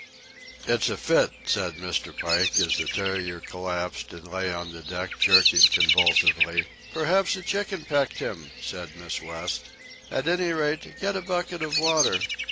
"It's a fit," said Mr. Pike, as the terrier collapsed and lay on the deck jerking convulsively. "Perhaps a chicken pecked him," said Miss West. "At any rate, get a bucket of water."